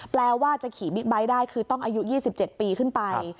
แปลว่าจะขี่บิ๊กไบท์ได้คือต้องอายุ๒๗ปีขึ้นไป